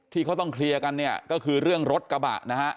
ที่เขาต้องเคลียร์ก็คือรถกระบะ